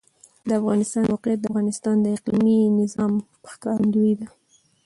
د افغانستان د موقعیت د افغانستان د اقلیمي نظام ښکارندوی ده.